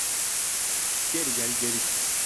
Geri gel, geri gel.